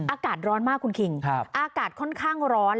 อากาศร้อนมากคุณคิงอากาศค่อนข้างร้อน